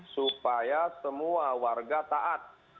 supaya semua warga taat